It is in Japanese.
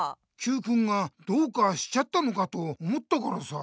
Ｑくんがどうかしちゃったのかと思ったからさ。